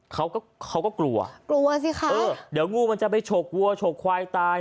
เขาก็เขาก็กลัวกลัวสิค่ะเออเดี๋ยวงูมันจะไปฉกวัวฉกควายตาย